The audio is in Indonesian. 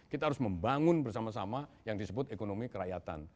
kita harus membangun bersama sama yang disebut ekonomi kerakyatan